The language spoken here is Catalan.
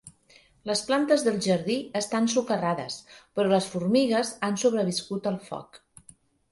Les plantes del jardí estan socarrades, però les formigues han sobreviscut el foc.